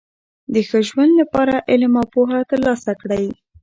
د ښه ژوند له پاره علم او پوهه ترلاسه کړئ!